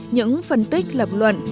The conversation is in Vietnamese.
những phân tích lập luận